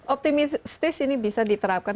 optimistis ini bisa diterapkan